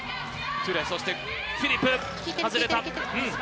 トゥレ、そしてフィリプ、外れた。